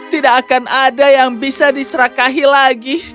tidak akan ada yang bisa diserakahi lagi